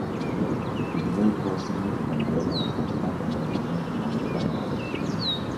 The delay caused significant damage for companies depending on the canal.